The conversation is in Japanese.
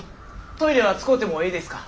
トイレは使うてもええですか？